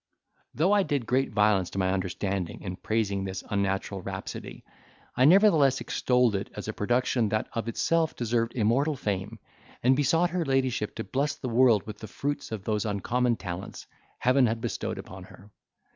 Though I did great violence to my understanding in praising this unnatural rhapsody, I nevertheless extolled it as a production that of itself deserved immortal fame; and besought her ladyship to bless the world with the fruits of those uncommon talents Heaven had bestowed upon her.